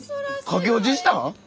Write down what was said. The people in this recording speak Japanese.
駆け落ちしたん！？